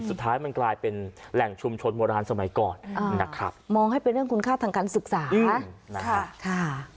สุดท้ายมันกลายเป็นแหล่งชุมชนโบราณสมัยก่อนนะครับมองให้เป็นเรื่องคุณค่าทางการศึกษานะคะ